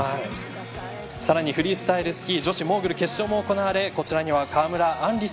さらにフリースタイルスキー女子モーグル決勝も行われこちらには川村あん